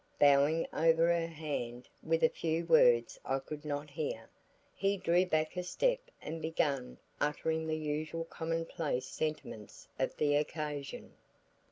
Bowing over her hand with a few words I could not hear, he drew back a step and began uttering the usual common place sentiments of the occasion.